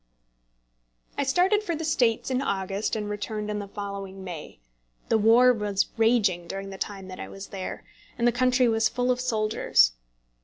] I started for the States in August and returned in the following May. The war was raging during the time that I was there, and the country was full of soldiers.